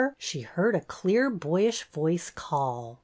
she heard a clear boyish voice call.